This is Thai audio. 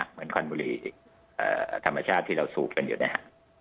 เหมือนควันบุหรี่ธรรมชาติที่เราสูบเป็นอยู่นะครับ